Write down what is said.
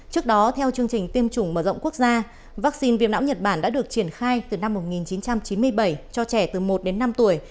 trước đó theo chương trình tiêm chủng mở rộng quốc gia vaccine viêm não nhật bản đã được triển khai từ năm một nghìn chín trăm chín mươi bảy cho trẻ từ một đến năm tuổi